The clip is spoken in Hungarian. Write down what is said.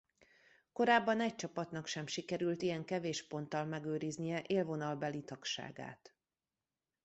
Korábban egy csapatnak sem sikerült ilyen kevés ponttal megőriznie élvonalbeli tagságát.